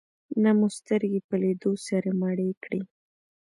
نه مو سترګې په لیدو سره مړې کړې.